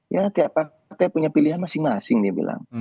ya tiap partai punya pilihan masing masing dia bilang